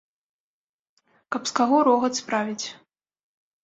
Каб з каго рогат справіць.